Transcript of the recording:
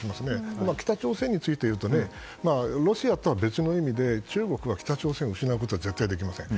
今、北朝鮮について言うとロシアとは別の意味で中国は北朝鮮を失うことは絶対できません。